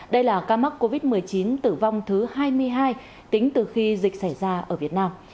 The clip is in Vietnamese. đây là ca mắc covid một mươi chín tử vong thứ hai mươi hai tính từ khi dịch xảy ra ở việt nam